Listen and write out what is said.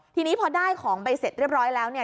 ทีนี้พอได้ของไปเสร็จเรียบร้อยแล้วเนี่ย